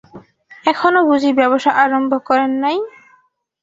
এখনো বুঝি ব্যাবসা আরম্ভ করেন নাই?